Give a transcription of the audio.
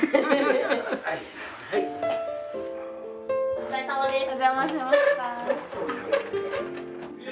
お疲れさまです。